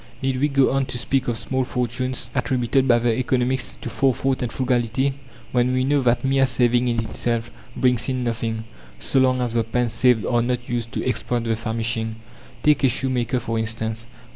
Need we go on to speak of small fortunes attributed by the economists to forethought and frugality, when we know that mere saving in itself brings in nothing, so long as the pence saved are not used to exploit the famishing? Take a shoemaker, for instance.